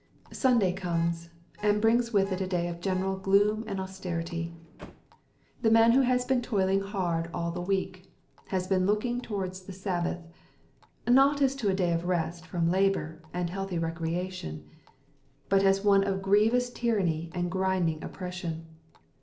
Sunday comes, and brings with it a day of general gloom and austerity. The man who has been toiling hard all the week, has been looking towards the Sabbath, not as to a day of rest from labour, and healthy recreation, but as one of grievous tyranny and grinding oppression.